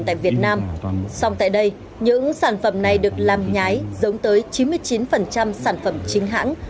tại việt nam song tại đây những sản phẩm này được làm nhái giống tới chín mươi chín sản phẩm chính hãng